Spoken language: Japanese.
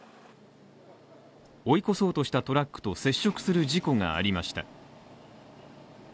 追い越そうとしたトラックと接触する事故がありました。